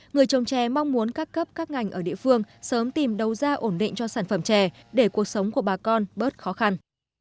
người trồng chè mong muốn các cấp các ngành ở địa phương sớm tìm đầu ra ổn định cho sản phẩm chè để cuộc sống của bà con bớt khó khăn